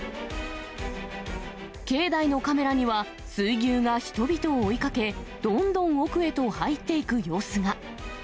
境内のカメラには、水牛が人々を追いかけ、どんどん奥へと入っていく様子が。